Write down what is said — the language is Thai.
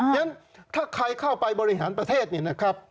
ยังเธอใครเข้าไปบริหารประเทศนี้นะครับ